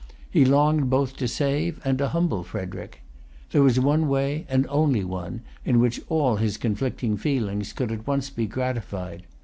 He longed both to save and to humble Frederic. There was one way, and only one, in which all his conflicting feelings could at once be gratified.